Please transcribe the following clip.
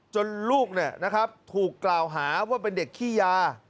ลูกถูกกล่าวหาว่าเป็นเด็กขี้ยา